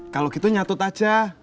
kalau gitu nyatut aja